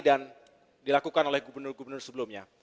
dan dilakukan oleh gubernur gubernur sebelumnya